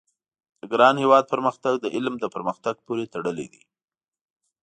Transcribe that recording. د ګران هېواد پرمختګ د علم د پرمختګ پوري تړلی دی